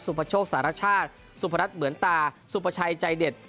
สุมพะโชคสหรัฐชาติสุมพะรัฐเหมือนตาสุมพะชัยใจเด็ด